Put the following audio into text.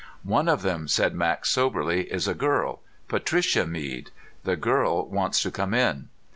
"One of them," said Max soberly, "is a girl. Patricia Mead. The girl wants to come in."